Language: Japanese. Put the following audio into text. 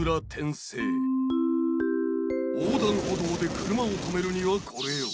横断歩道で車を止めるのにはこれよ。